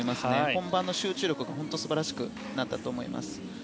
本番の集中力は本当に素晴らしくなったと思います。